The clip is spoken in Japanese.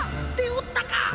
でおったか。